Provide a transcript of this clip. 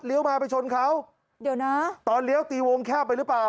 มาไปชนเขาเดี๋ยวนะตอนเลี้ยวตีวงแคบไปหรือเปล่า